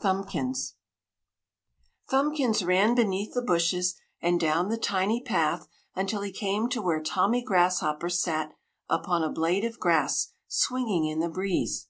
THUMBKINS Thumbkins ran beneath the bushes and down the tiny path until he came to where Tommy Grasshopper sat upon a blade of grass swinging in the breeze.